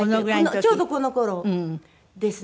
ちょうどこの頃ですね。